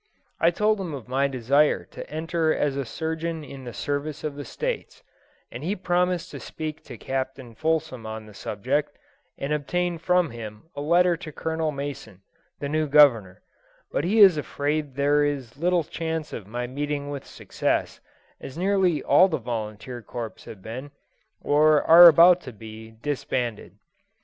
I told him of my desire to enter as a surgeon in the service of the States, and he promised to speak to Captain Fulsom on the subject, and obtain from him a letter to Colonel Mason, the new governor; but he is afraid there is little chance of my meeting with success, as nearly all the volunteer corps have been, or are about to be, disbanded.